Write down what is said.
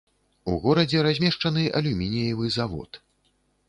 У горадзе размешчаны алюмініевы завод.